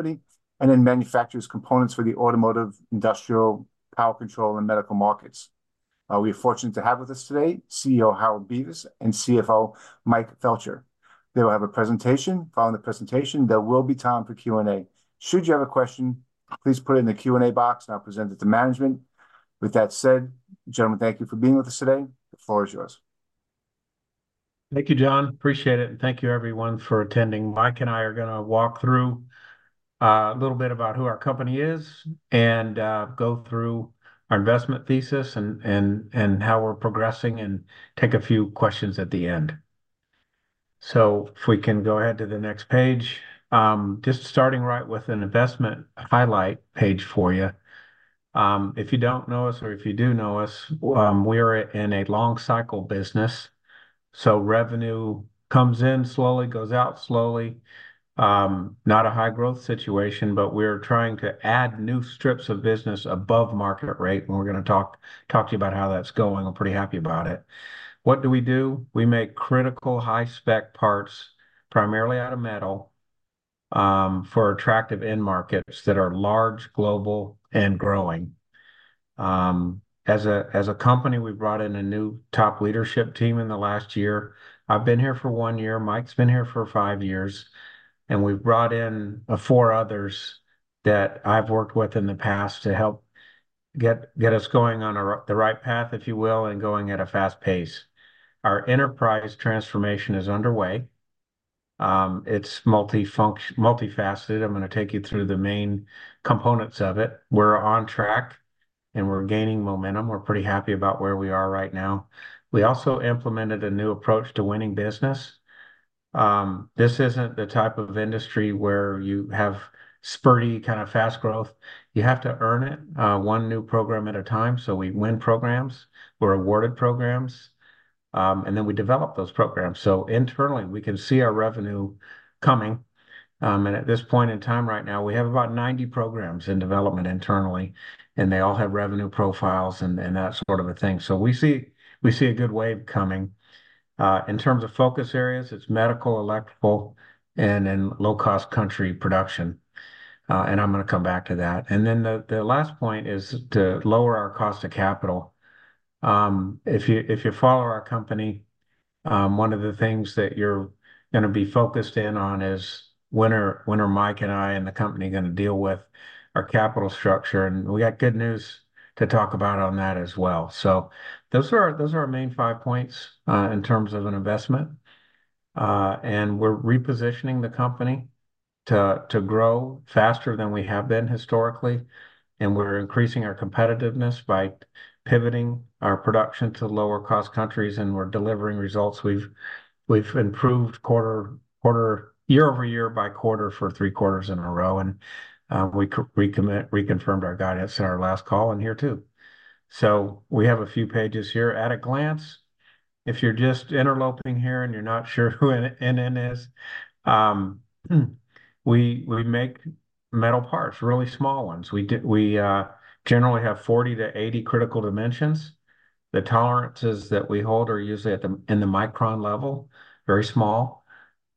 Company, and it manufactures components for the automotive, industrial, power control, and medical markets. We are fortunate to have with us today CEO Harold Bevis and CFO Mike Felcher. They will have a presentation. Following the presentation, there will be time for Q&A. Should you have a question, please put it in the Q&A box and I'll present it to management. With that said, gentlemen, thank you for being with us today. The floor is yours. Thank you, John. Appreciate it, and thank you everyone for attending. Mike and I are going to walk through a little bit about who our company is, and go through our investment thesis and how we're progressing, and take a few questions at the end. If we can go ahead to the next page. Just starting right with an investment highlight page for you. If you don't know us, or if you do know us, we're in a long cycle business, so revenue comes in slowly, goes out slowly. Not a high-growth situation, but we're trying to add new strips of business above market rate, and we're going to talk to you about how that's going. I'm pretty happy about it. What do we do? We make critical, high-spec parts, primarily out of metal, for attractive end markets that are large, global, and growing. As a company, we've brought in a new top leadership team in the last year. I've been here for one year, Mike's been here for five years, and we've brought in four others that I've worked with in the past to help get us going on the right path, if you will, and going at a fast pace. Our enterprise transformation is underway. It's multifaceted. I'm going to take you through the main components of it. We're on track, and we're gaining momentum. We're pretty happy about where we are right now. We also implemented a new approach to winning business. This isn't the type of industry where you have spurty kind of fast growth. You have to earn it, one new program at a time. So we win programs, we're awarded programs, and then we develop those programs. So internally, we can see our revenue coming. And at this point in time, right now, we have about 90 programs in development internally, and they all have revenue profiles and, and that sort of a thing. So we see, we see a good wave coming. In terms of focus areas, it's medical, electrical, and in low-cost country production, and I'm going to come back to that. And then the last point is to lower our cost of capital. If you, if you follow our company, one of the things that you're going to be focused in on is: When are, when are Mike and I and the company going to deal with our capital structure? We got good news to talk about on that as well. So those are our, those are our main five points in terms of an investment. And we're repositioning the company to grow faster than we have been historically, and we're increasing our competitiveness by pivoting our production to lower-cost countries, and we're delivering results. We've improved quarter-over-quarter, year-over-year by quarter for three quarters in a row, and we reconfirmed our guidance in our last call in here, too. So we have a few pages here at a glance. If you're just interloping here and you're not sure who NN is, we make metal parts, really small ones. We generally have 40-80 critical dimensions. The tolerances that we hold are usually at the, in the micron level, very small,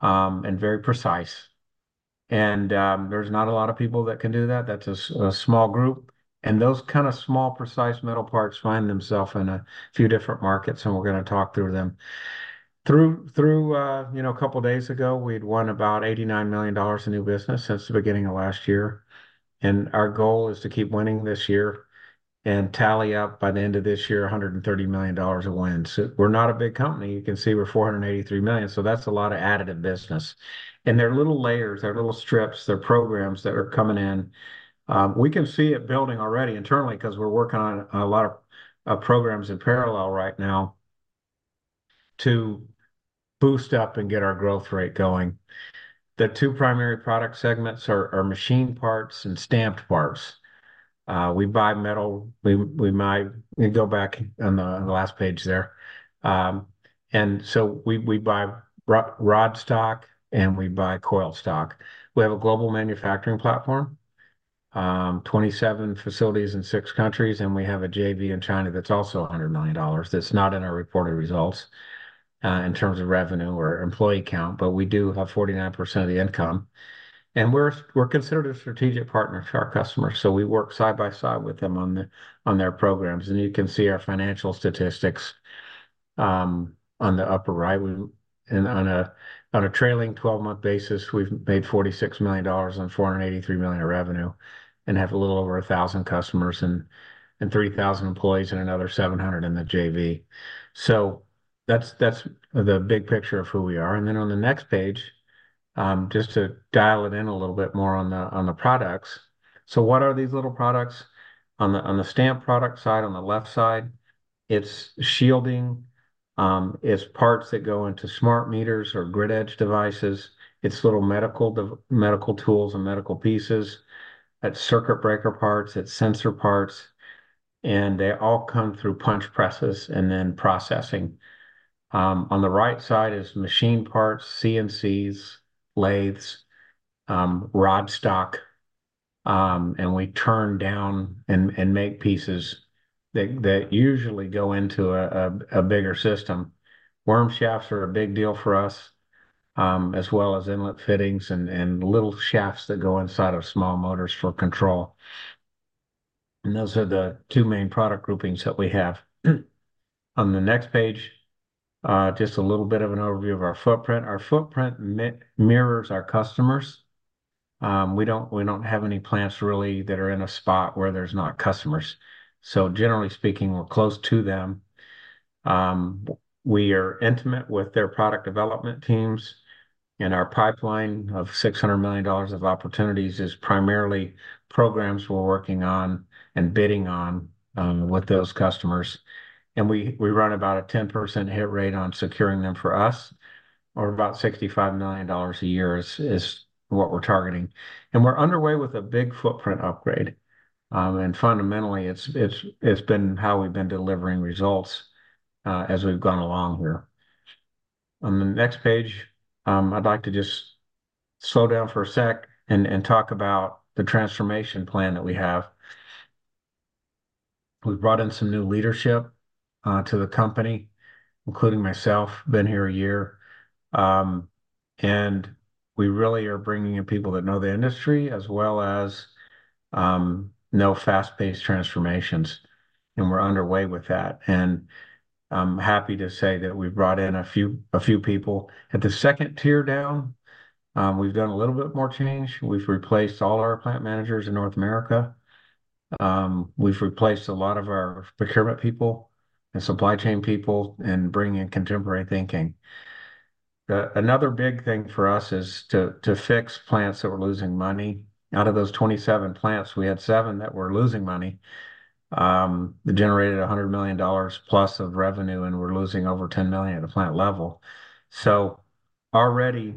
and very precise. And there's not a lot of people that can do that. That's a small group, and those kind of small, precise metal parts find themselves in a few different markets, and we're going to talk through them. You know, a couple of days ago, we'd won about $89 million in new business since the beginning of last year, and our goal is to keep winning this year and tally up by the end of this year, $130 million of wins. So we're not a big company. You can see we're $483 million, so that's a lot of additive business. They're little layers, they're little strips, they're programs that are coming in. We can see it building already internally, 'cause we're working on a lot of programs in parallel right now to boost up and get our growth rate going. The two primary product segments are machine parts and stamped parts. We buy metal. We might go back on the last page there. And so we buy rod stock, and we buy coil stock. We have a global manufacturing platform, 27 facilities in six countries, and we have a JV in China that's also $100 million. That's not in our reported results, in terms of revenue or employee count, but we do have 49% of the income. We're considered a strategic partner to our customers, so we work side by side with them on their programs. And you can see our financial statistics on the upper right. And on a trailing twelve-month basis, we've made $46 million on $483 million in revenue, and have a little over 1,000 customers and 3,000 employees and another 700 in the JV. So that's the big picture of who we are. And then on the next page, just to dial it in a little bit more on the products. So what are these little products? On the stamp product side, on the left side, it's shielding, it's parts that go into smart meters or grid edge devices, it's little medical tools and medical pieces, and circuit breaker parts, it's sensor parts, and they all come through punch presses and then processing. On the right side is machine parts, CNCs, lathes, rod stock, and we turn down and make pieces that usually go into a bigger system. Worm shafts are a big deal for us, as well as inlet fittings and little shafts that go inside of small motors for control. And those are the two main product groupings that we have. On the next page, just a little bit of an overview of our footprint. Our footprint mirrors our customers. We don't have any plants really that are in a spot where there's not customers. So generally speaking, we're close to them. We are intimate with their product development teams, and our pipeline of $600 million of opportunities is primarily programs we're working on and bidding on with those customers. We run about a 10% hit rate on securing them for us, or about $65 million a year is what we're targeting. We're underway with a big footprint upgrade. Fundamentally, it's been how we've been delivering results as we've gone along here. On the next page, I'd like to just slow down for a sec and talk about the transformation plan that we have. We've brought in some new leadership to the company, including myself, been here a year. We really are bringing in people that know the industry as well as know fast-paced transformations, and we're underway with that. I'm happy to say that we've brought in a few people. At the second tier down, we've done a little bit more change. We've replaced all our plant managers in North America. We've replaced a lot of our procurement people and supply chain people, and bring in contemporary thinking. Another big thing for us is to fix plants that were losing money. Out of those 27 plants, we had seven that were losing money, that generated $100 million plus of revenue, and we're losing over $10 million at a plant level. So already,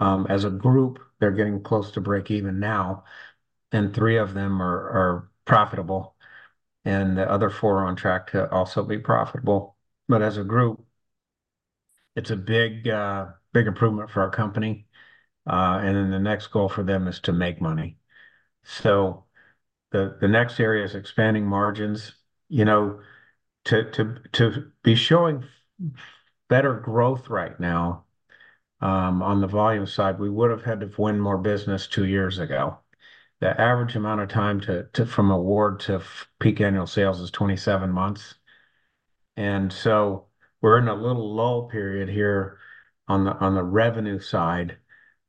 as a group, they're getting close to breakeven now, and three of them are profitable, and the other four are on track to also be profitable. But as a group, it's a big improvement for our company, and then the next goal for them is to make money. So the next area is expanding margins. You know, to be showing better growth right now on the volume side, we would have had to win more business two years ago. The average amount of time from award to peak annual sales is 27 months, and so we're in a little lull period here on the revenue side,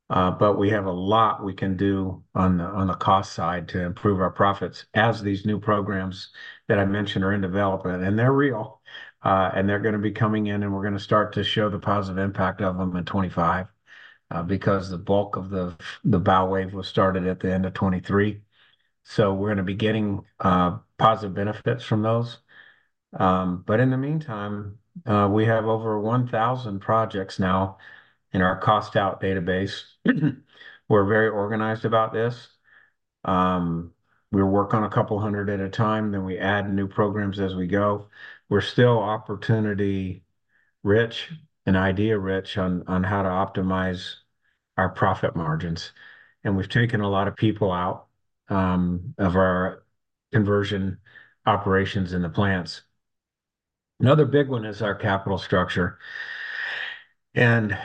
but we have a lot we can do on the cost side to improve our profits as these new programs that I mentioned are in development, and they're real. And they're gonna be coming in, and we're gonna start to show the positive impact of them in 2025, because the bulk of the bow wave was started at the end of 2023. So we're gonna be getting positive benefits from those. But in the meantime, we have over 1,000 projects now in our cost out database. We're very organized about this. We work on a couple hundred at a time, then we add new programs as we go. We're still opportunity rich and idea rich on how to optimize our profit margins, and we've taken a lot of people out of our conversion operations in the plants. Another big one is our capital structure, and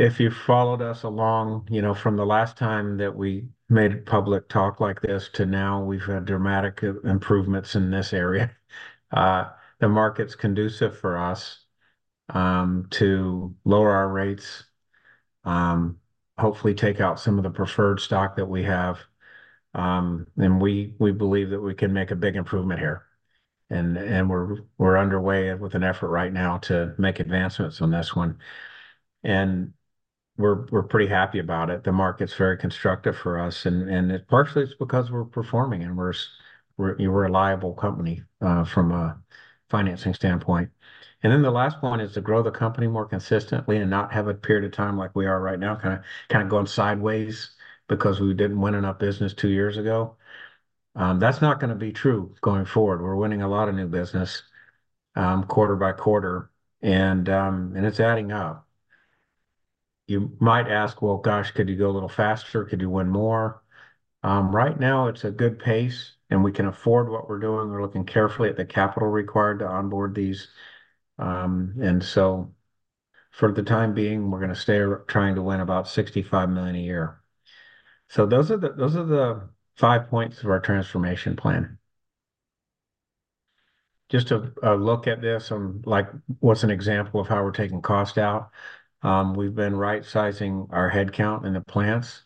if you followed us along, you know, from the last time that we made a public talk like this to now, we've had dramatic improvements in this area. The market's conducive for us to lower our rates, hopefully take out some of the preferred stock that we have, and we believe that we can make a big improvement here. We're underway with an effort right now to make advancements on this one, and we're pretty happy about it. The market's very constructive for us, and partially it's because we're performing and we're a reliable company from a financing standpoint. And then the last point is to grow the company more consistently and not have a period of time like we are right now, kinda going sideways because we didn't win enough business two years ago. That's not gonna be true going forward. We're winning a lot of new business quarter by quarter, and it's adding up. You might ask: "Well, gosh, could you go a little faster? Could you win more?" Right now it's a good pace, and we can afford what we're doing. We're looking carefully at the capital required to onboard these. And so for the time being, we're gonna stay trying to win about $65 million a year. So those are the, those are the five points of our transformation plan. Just to look at this, like, what's an example of how we're taking cost out? We've been right sizing our headcount in the plants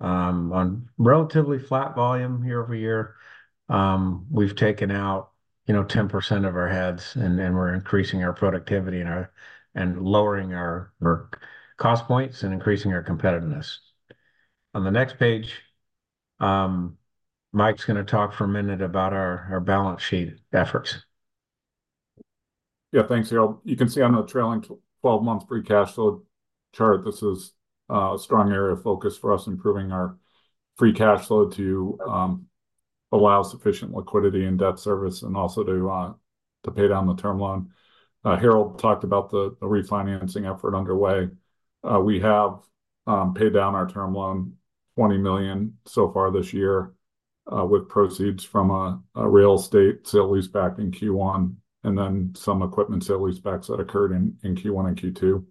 on relatively flat volume year-over-year. We've taken out, you know, 10% of our heads, and then we're increasing our productivity and lowering our cost points and increasing our competitiveness. On the next page, Mike's gonna talk for a minute about our balance sheet efforts. Yeah, thanks, Harold. You can see on the trailing twelve-month free cash flow chart, this is a strong area of focus for us, improving our free cash flow to allow sufficient liquidity and debt service and also to pay down the term loan. Harold talked about the refinancing effort underway. We have paid down our term loan $20 million so far this year, with proceeds from a real estate sale-leaseback in Q1, and then some equipment sale-leasebacks that occurred in Q1 and Q2.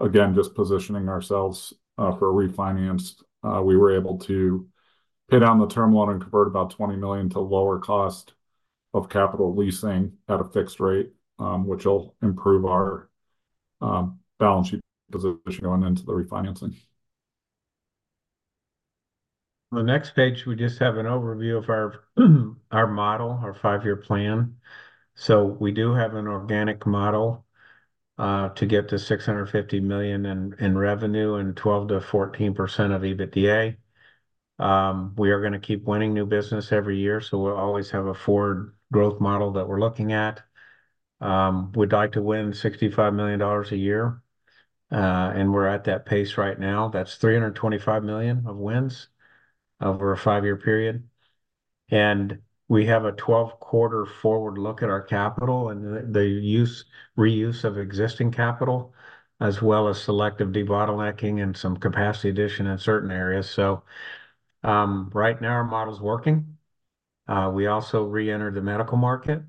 Again, just positioning ourselves for a refinance. We were able to pay down the term loan and convert about $20 million to lower cost of capital leasing at a fixed rate, which will improve our balance sheet position going into the refinancing. On the next page, we just have an overview of our model, our 5-year plan. We do have an organic model to get to $650 million in revenue and 12%-14% of EBITDA. We are gonna keep winning new business every year, so we'll always have a forward growth model that we're looking at. We'd like to win $65 million a year, and we're at that pace right now. That's $325 million of wins over a 5-year period. We have a 12-quarter forward look at our capital and the use-reuse of existing capital, as well as selective debottlenecking and some capacity addition in certain areas. Right now, our model's working. We also re-entered the medical market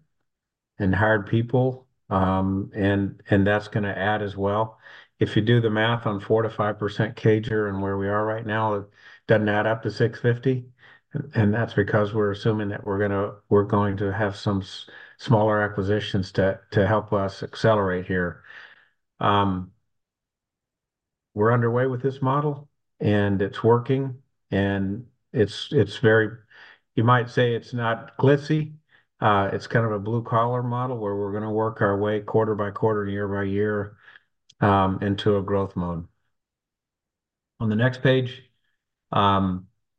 and hired people, and that's gonna add as well. If you do the math on 4%-5% CAGR and where we are right now, it doesn't add up to $650, and that's because we're assuming that we're going to have some smaller acquisitions to help us accelerate here. We're underway with this model, and it's working, and it's very. You might say it's not glitzy. It's kind of a blue-collar model, where we're going to work our way quarter by quarter, year by year, into a growth mode. On the next page,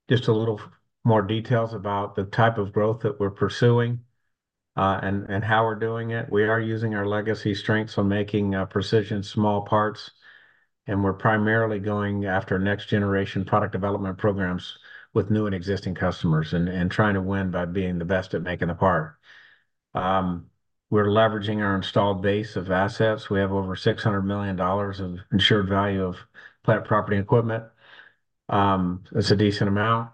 just a little more details about the type of growth that we're pursuing, and how we're doing it. We are using our legacy strengths on making precision small parts, and we're primarily going after next-generation product development programs with new and existing customers and trying to win by being the best at making the part. We're leveraging our installed base of assets. We have over $600 million of insured value of plant property equipment. It's a decent amount.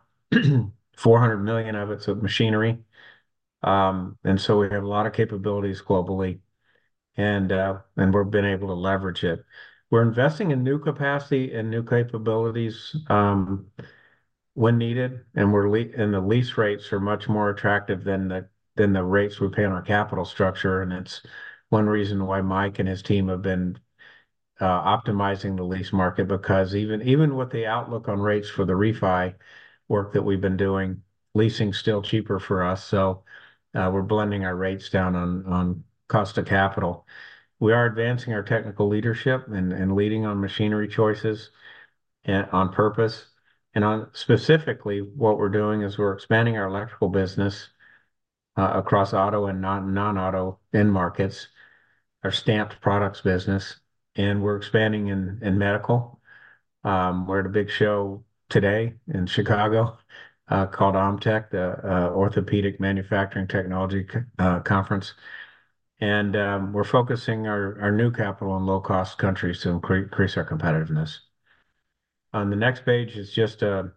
$400 million of it's of machinery. And so we have a lot of capabilities globally, and we've been able to leverage it. We're investing in new capacity and new capabilities when needed, and the lease rates are much more attractive than the rates we pay on our capital structure, and it's one reason why Mike and his team have been optimizing the lease market. Because even with the outlook on rates for the refi work that we've been doing, leasing's still cheaper for us, so we're blending our rates down on cost of capital. We are advancing our technical leadership and leading on machinery choices on purpose. Specifically, what we're doing is we're expanding our electrical business across auto and non-auto end markets, our stamped products business, and we're expanding in medical. We're at a big show today in Chicago, called OMTEC, the Orthopaedic Manufacturing Technology conference. We're focusing our new capital on low-cost countries to increase our competitiveness. On the next page is just a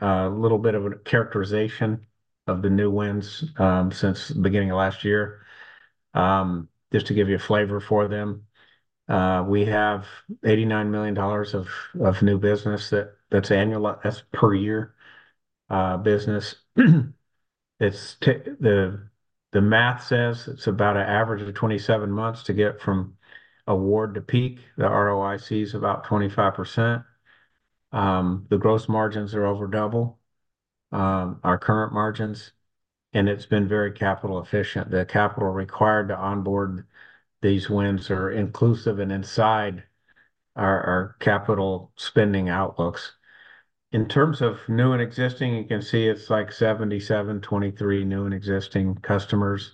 little bit of a characterization of the new wins since the beginning of last year. Just to give you a flavor for them, we have $89 million of new business that's annual, that's per year business. The math says it's about an average of 27 months to get from award to peak. The ROIC is about 25%. The gross margins are over double our current margins, and it's been very capital efficient. The capital required to onboard these wins are inclusive and inside our capital spending outlooks. In terms of new and existing, you can see it's like 77-23 new and existing customers.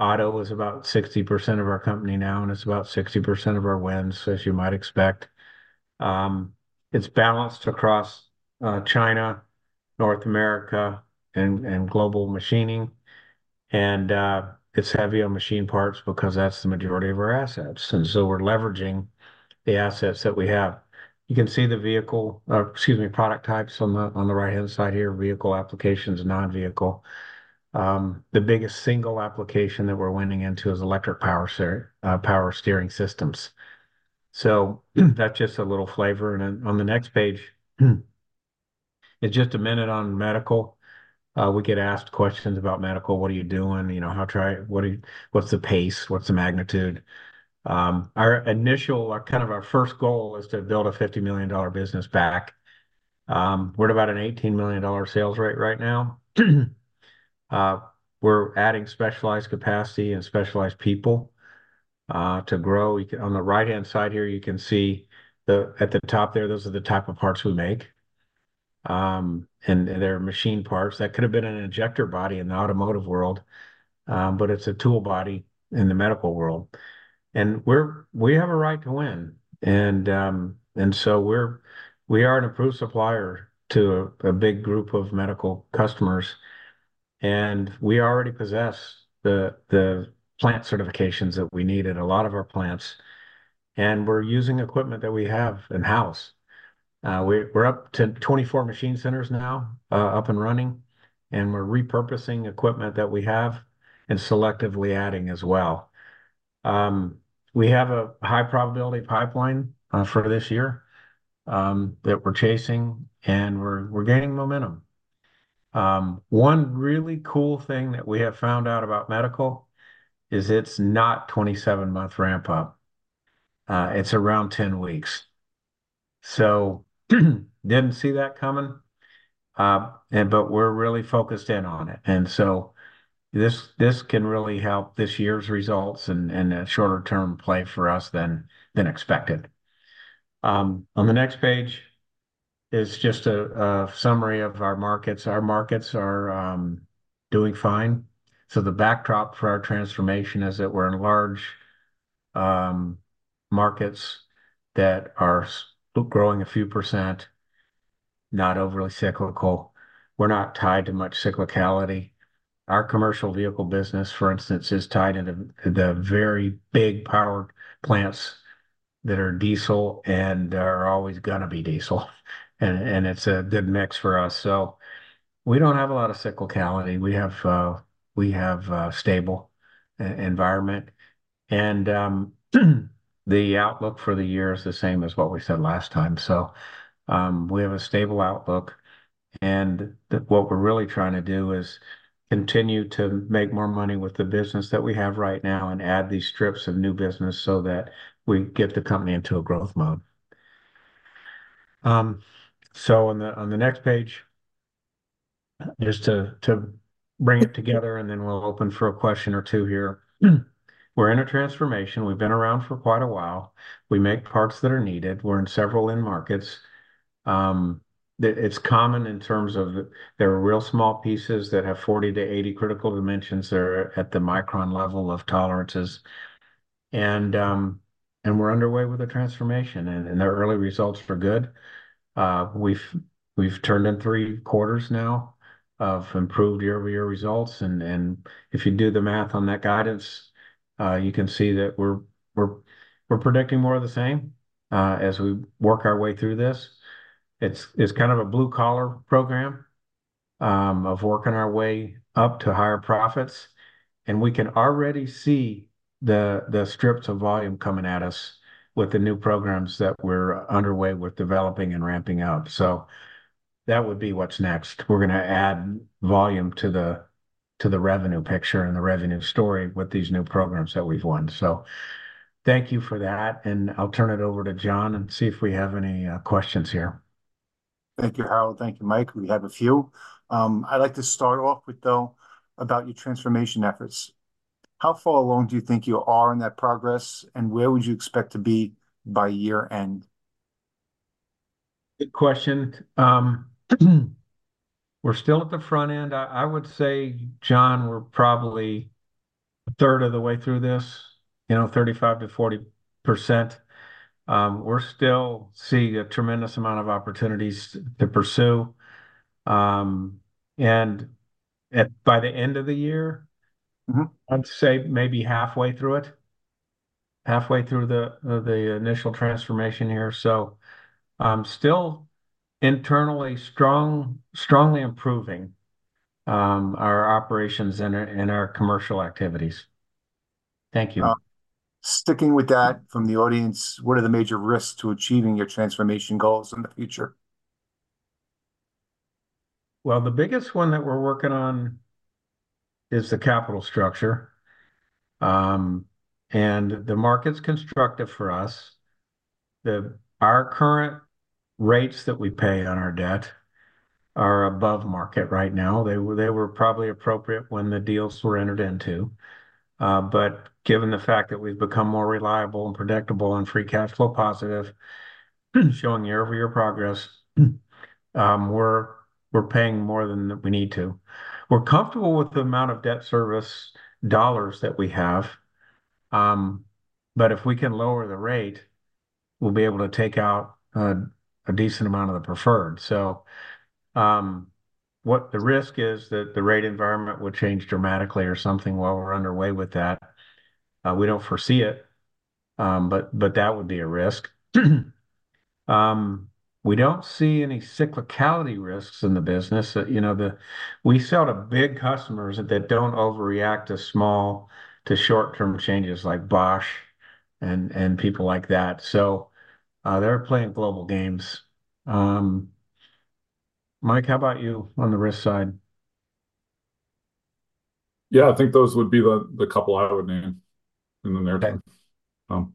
Auto is about 60% of our company now, and it's about 60% of our wins, as you might expect. It's balanced across China, North America, and global machining, and it's heavy on machine parts because that's the majority of our assets, and so we're leveraging the assets that we have. You can see the vehicle, or excuse me, product types on the right-hand side here, vehicle applications, non-vehicle. The biggest single application that we're winning into is electric power steering systems. So that's just a little flavor, and then on the next page is just a minute on medical. We get asked questions about medical: "What are you doing?" You know, "What's the pace? What's the magnitude?" Our initial, our kind of our first goal is to build a $50 million business back. We're at about an $18 million sales rate right now. We're adding specialized capacity and specialized people to grow. On the right-hand side here, you can see at the top there, those are the type of parts we make. And they're machine parts. That could have been an injector body in the automotive world, but it's a tool body in the medical world. And we have a right to win, and so we're, we are an approved supplier to a big group of medical customers, and we already possess the plant certifications that we need in a lot of our plants, and we're using equipment that we have in-house. We're up to 24 machine centers now, up and running, and we're repurposing equipment that we have, and selectively adding as well. We have a high probability pipeline for this year that we're chasing, and we're gaining momentum. One really cool thing that we have found out about medical is it's not 27-month ramp up, it's around 10 weeks. So didn't see that coming, and but we're really focused in on it. And so this can really help this year's results and, in a shorter term, play for us than expected. On the next page is just a summary of our markets. Our markets are doing fine, so the backdrop for our transformation is that we're in large markets that are growing a few%, not overly cyclical. We're not tied to much cyclicality. Our commercial vehicle business, for instance, is tied into the very big power plants that are diesel and are always gonna be diesel, and it's a good mix for us. So we don't have a lot of cyclicality. We have a stable environment. And the outlook for the year is the same as what we said last time. So we have a stable outlook, and what we're really trying to do is continue to make more money with the business that we have right now, and add these strips of new business so that we get the company into a growth mode. So on the next page, just to bring it together, and then we'll open for a question or two here. We're in a transformation; we've been around for quite a while. We make parts that are needed. We're in several end markets. It's common in terms of there are real small pieces that have 40-80 critical dimensions that are at the micron level of tolerances. And we're underway with the transformation, and the early results were good. We've turned in 3 quarters now of improved year-over-year results, and if you do the math on that guidance, you can see that we're predicting more of the same, as we work our way through this. It's kind of a blue-collar program of working our way up to higher profits, and we can already see the strips of volume coming at us with the new programs that we're underway with developing and ramping up. So that would be what's next. We're gonna add volume to the revenue picture and the revenue story with these new programs that we've won. So thank you for that, and I'll turn it over to John, and see if we have any questions here. Thank you, Harold. Thank you, Mike. We have a few. I'd like to start off with, though, about your transformation efforts. How far along do you think you are in that progress, and where would you expect to be by year-end? Good question. We're still at the front end. I would say, John, we're probably a third of the way through this, you know, 35%-40%. We're still seeing a tremendous amount of opportunities to pursue. By the end of the year- Mm-hmm... I'd say maybe halfway through it, halfway through the initial transformation here. So, still internally strongly improving our operations and our commercial activities. Thank you. Sticking with that from the audience, what are the major risks to achieving your transformation goals in the future? Well, the biggest one that we're working on is the capital structure. The market's constructive for us, our current rates that we pay on our debt are above market right now. They were probably appropriate when the deals were entered into, but given the fact that we've become more reliable, and predictable, and free cash flow positive, showing year-over-year progress, we're paying more than we need to. We're comfortable with the amount of debt service dollars that we have, but if we can lower the rate, we'll be able to take out a decent amount of the preferred. So, what the risk is that the rate environment will change dramatically or something while we're underway with that. We don't foresee it, but that would be a risk. We don't see any cyclicality risks in the business. You know, we sell to big customers that don't overreact to small, to short-term changes like Bosch and, and people like that. So, they're playing global games. Mike, how about you on the risk side? Yeah, I think those would be the couple I would name in the near term. Okay. Um...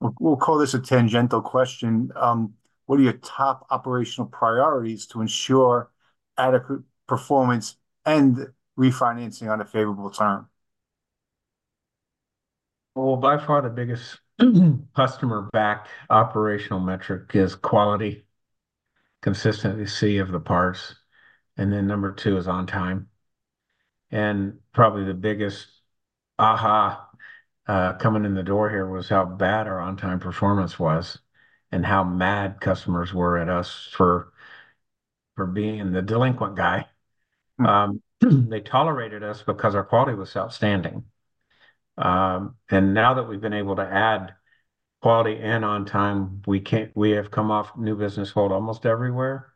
Well, we'll call this a tangential question: What are your top operational priorities to ensure adequate performance and refinancing on a favorable term?... Well, by far the biggest customer-backed operational metric is quality, consistency of the parts, and then number two is on time. And probably the biggest aha coming in the door here was how bad our on-time performance was, and how mad customers were at us for being the delinquent guy. They tolerated us because our quality was outstanding. And now that we've been able to add quality and on time, we have come off new business hold almost everywhere,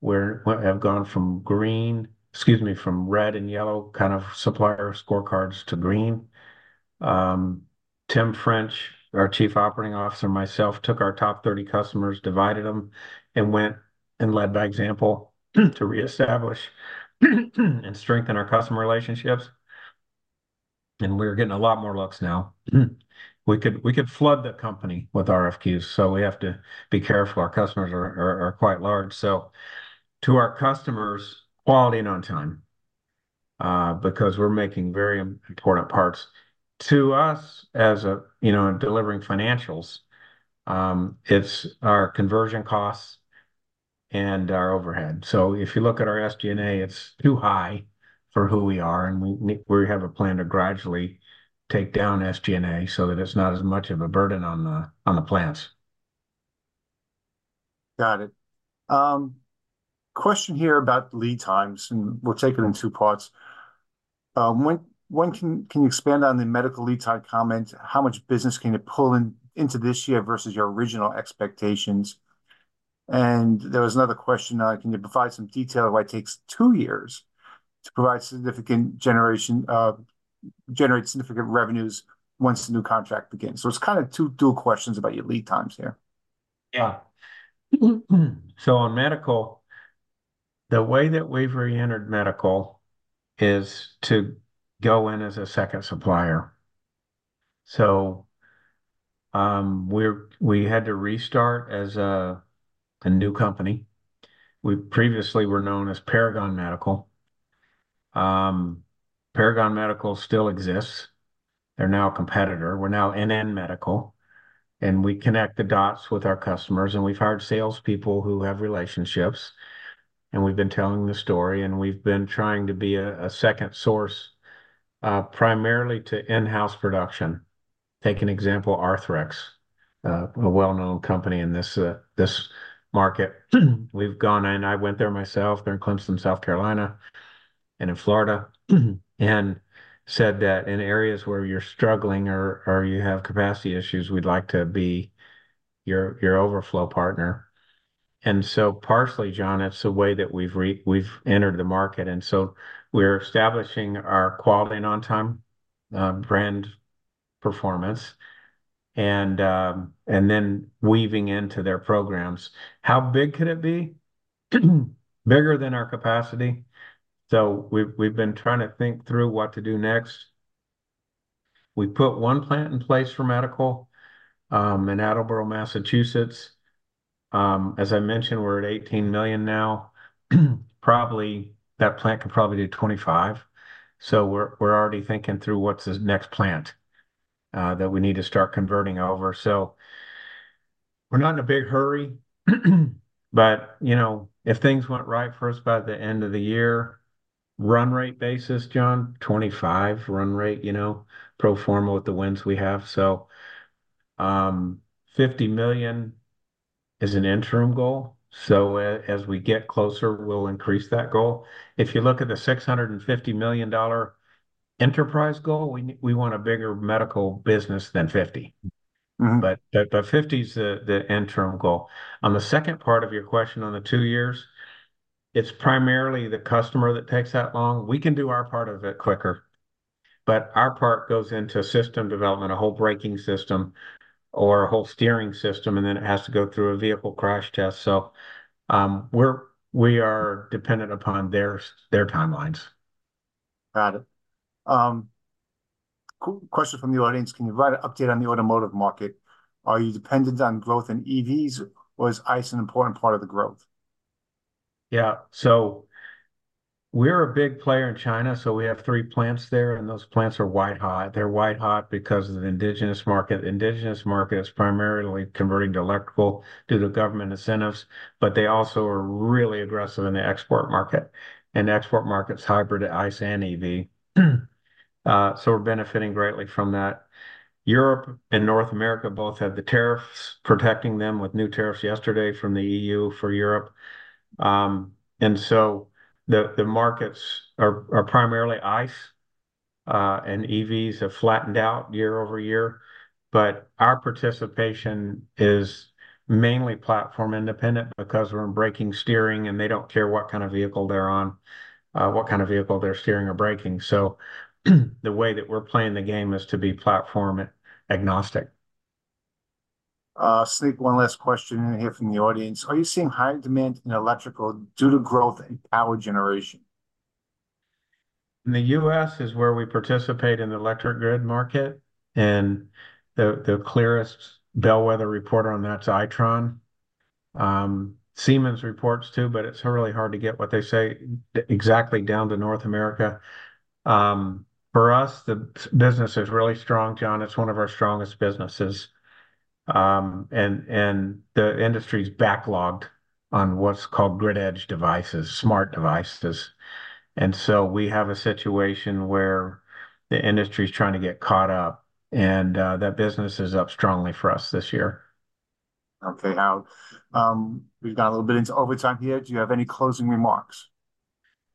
where we have gone from green, excuse me, from red and yellow kind of supplier scorecards to green. Tim French, our Chief Operating Officer, and myself took our top 30 customers, divided them, and went and led by example, to reestablish and strengthen our customer relationships, and we're getting a lot more looks now. We could flood the company with RFQs, so we have to be careful. Our customers are quite large. So to our customers, quality and on time, because we're making very important parts. To us, as a, you know, delivering financials, it's our conversion costs and our overhead. So if you look at our SG&A, it's too high for who we are, and we have a plan to gradually take down SG&A so that it's not as much of a burden on the plants. Got it. Question here about lead times, and we'll take it in two parts. One, can you expand on the medical lead time comment? How much business can it pull into this year versus your original expectations? And there was another question: "Can you provide some detail of why it takes two years to provide significant generation, generate significant revenues once the new contract begins?" So it's kinda two questions about your lead times there. Yeah. So on medical, the way that we've re-entered medical is to go in as a second supplier. So, we had to restart as a new company. We previously were known as Paragon Medical. Paragon Medical still exists. They're now a competitor. We're now NN Medical, and we connect the dots with our customers, and we've hired salespeople who have relationships, and we've been telling the story, and we've been trying to be a second source, primarily to in-house production. Take an example, Arthrex, a well-known company in this, this market. We've gone, and I went there myself, they're in Clemson, South Carolina, and in Florida, and said that in areas where you're struggling or you have capacity issues, we'd like to be your overflow partner. Partially, John, it's the way that we've we've entered the market, and so we're establishing our quality and on-time, brand performance, and, and then weaving into their programs. How big could it be? Bigger than our capacity. So we've, we've been trying to think through what to do next. We put one plant in place for medical, in Attleboro, Massachusetts. As I mentioned, we're at $18 million now. Probably, that plant could probably do 25, so we're, we're already thinking through what's the next plant, that we need to start converting over. So we're not in a big hurry, but, you know, if things went right for us by the end of the year, run rate basis, John, 25 run rate, you know, pro forma with the wins we have. So, $50 million is an interim goal, so as we get closer, we'll increase that goal. If you look at the $650 million-dollar enterprise goal, we want a bigger medical business than 50. Mm-hmm. But 50 is the interim goal. On the second part of your question, on the 2 years, it's primarily the customer that takes that long. We can do our part of it quicker, but our part goes into system development, a whole braking system or a whole steering system, and then it has to go through a vehicle crash test. So, we are dependent upon their timelines. Got it. Question from the audience: "Can you provide an update on the automotive market? Are you dependent on growth in EVs, or is ICE an important part of the growth? Yeah. So we're a big player in China, so we have three plants there, and those plants are white hot. They're white hot because of the indigenous market. Indigenous market is primarily converting to electrical due to government incentives, but they also are really aggressive in the export market. And export market's hybrid, ICE, and EV. So we're benefiting greatly from that. Europe and North America both have the tariffs, protecting them with new tariffs yesterday from the EU for Europe. And so the markets are primarily ICE, and EVs have flattened out year over year. But our participation is mainly platform independent, because we're in braking, steering, and they don't care what kind of vehicle they're on, what kind of vehicle they're steering or braking. So the way that we're playing the game is to be platform agnostic. Sneak one last question in here from the audience: "Are you seeing high demand in electrical due to growth in power generation? In the US is where we participate in the electric grid market, and the clearest bellwether reporter on that's Itron. Siemens reports too, but it's really hard to get what they say exactly down to North America. For us, the business is really strong, John. It's one of our strongest businesses. And the industry's backlogged on what's called Grid Edge devices, smart devices. And so we have a situation where the industry's trying to get caught up, and that business is up strongly for us this year. Okay, now, we've gone a little bit into overtime here. Do you have any closing remarks?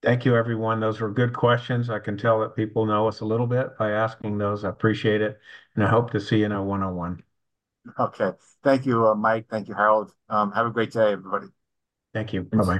Thank you, everyone. Those were good questions. I can tell that people know us a little bit by asking those. I appreciate it, and I hope to see you in our one-on-one. Okay. Thank you, Mike. Thank you, Harold. Have a great day, everybody. Thank you. Bye-bye.